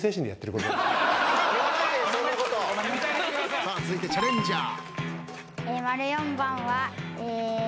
さあ続いてチャレンジャー。